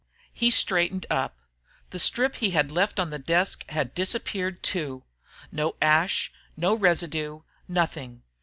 He straightened up. The strip he had left on the desk had disappeared, too. No ash, no residue. Nothing.